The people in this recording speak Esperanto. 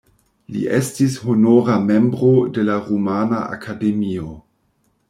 Li estis honora membro de la Rumana Akademio.